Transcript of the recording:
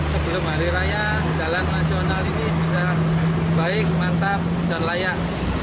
sebelum hari raya jalan nasional ini bisa baik mantap dan layak